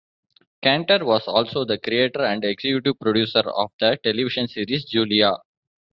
Kanter was also the creator and executive producer of the television series "Julia".